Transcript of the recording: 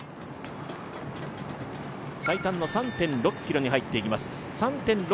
最短の３．６ｋｍに入っていきます。